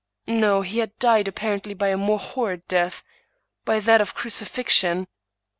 No; he had died appar ently by a more horrid death — ^by that of crucifixion.